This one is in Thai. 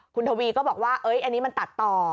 คุณทวีก็บอกว่าอันนี้มันตัดต่อ